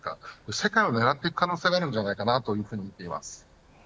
世界を狙っていく可能性があるんじゃないかとみています。